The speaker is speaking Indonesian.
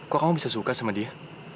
kok kamu bisa suka sama dia